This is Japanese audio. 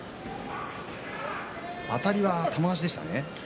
あたりは玉鷲でしたね。